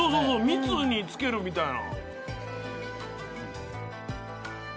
蜜につけるみたいな。